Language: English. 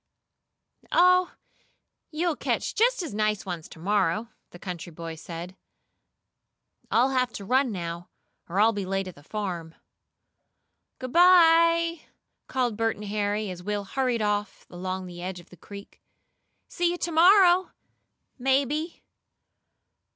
"Oh, you'll catch just as nice ones to morrow," the country boy said. "I'll have to run now, or I'll be late at the farm." "Good bye!" called Bert and Harry as Will hurried off along the edge of the creek. "See you to morrow, maybe."